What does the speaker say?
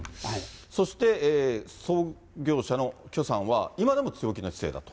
そして、創業者の許さんは、今でも強気の姿勢だと。